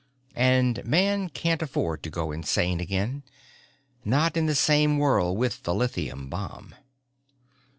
And man can't afford to go insane again. Not in the same world with the lithium bomb."